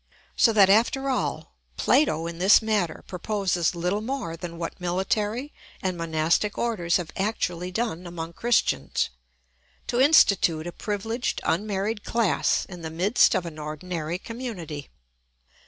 So that, after all, Plato in this matter proposes little more than what military and monastic orders have actually done among Christians: to institute a privileged unmarried class in the midst of an ordinary community.